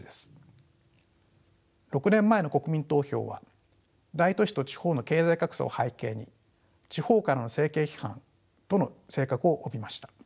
６年前の国民投票は大都市と地方の経済格差を背景に地方からの政権批判との性格を帯びました。